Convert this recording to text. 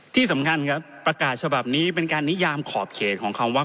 ที่สำคัญครับประกาศฉบับนี้เป็นการนิยามขอบเขตของคำว่า